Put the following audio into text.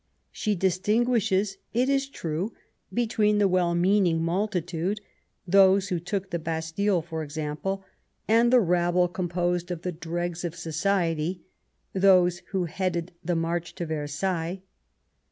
She distinguishes, it is true, between the well meaning multitude — ^those who took the Bastille, for example — and the rabble composed of the dregs of society, — those who headed the march to Versailles.